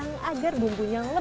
bungkus dan bakar menggunakan panci